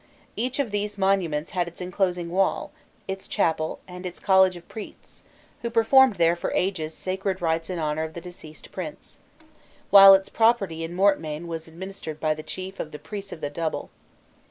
Each of these monuments had its enclosing wall, its chapel and its college of priests, who performed there for ages sacred rites in honour of the deceased prince, while its property in mortmain was administered by the chief of the "priests of the double."